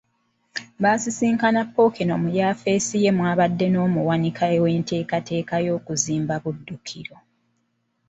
Basisinkana Ppookino mu yaafeesi ye mw’abadde n’omuwanika w’enteekateeka y’okuzimba Buddukiro.